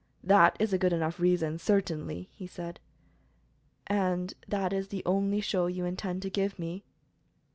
"That is a good enough reason, certainly," he said. "And that is the only show you intend to give me?"